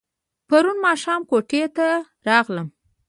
پرون ماښام کوټې ته راغلم.